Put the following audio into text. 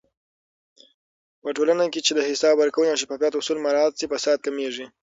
په ټولنه کې چې د حساب ورکونې او شفافيت اصول مراعات شي، فساد کمېږي.